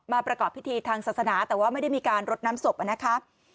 ประกอบพิธีทางศาสนาแต่ว่าไม่ได้มีการรดน้ำศพนะคะ